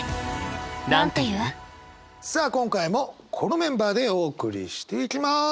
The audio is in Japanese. さあ今回もこのメンバーでお送りしていきます。